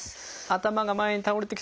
頭が前に倒れて。